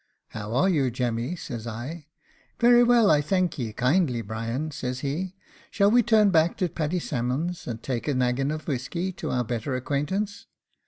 "How are you, Jemmy?" says I. "Very well, I thank ye kindly, Bryan," says he; "shall we turn back to Paddy Salmon's and take a naggin of whisky to our better acquaintance?"